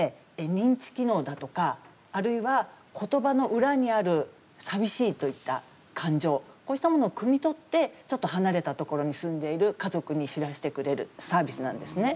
認知機能だとかあるいは言葉の裏にある寂しいといった感情こうしたものをくみ取ってちょっと離れたところに住んでいる家族に知らせてくれるサービスなんですね。